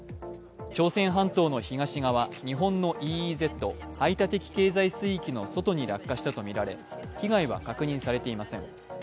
朝鮮半島の東側、日本のＥＥＺ＝排他的経済水域の外に落下したとみられ、被害は確認されていません。